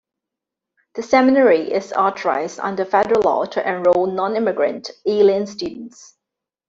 The seminary is authorized under federal law to enroll nonimmigrant alien students.